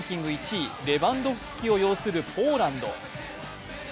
１位レバンドフスキを擁するポーランド。